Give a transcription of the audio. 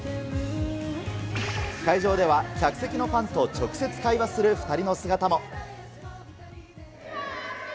会場では、客席のファンと直接会話する２人の姿も。